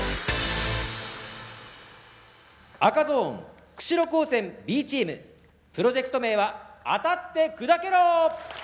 赤ゾーン釧路高専Ｂチームプロジェクト名は「当たって砕けろ」。